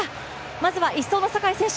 まずは１走の坂井選手